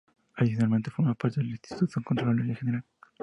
Adicionalmente, forma parte del Instituto la Contraloría General.